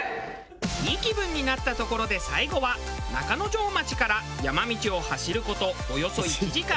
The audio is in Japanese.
いい気分になったところで最後は中之条町から山道を走る事およそ１時間。